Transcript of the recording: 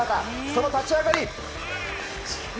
その立ち上がり。